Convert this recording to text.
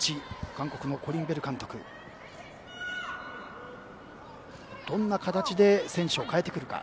韓国のコリン・ベル監督はどんな形で選手を代えてくるか。